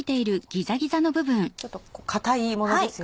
ちょっと堅いものですよね。